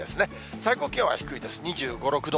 最高気温は低いです、２５、６度。